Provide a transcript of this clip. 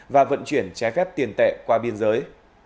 và vận chuyển trái phép tiền tệ qua biên giới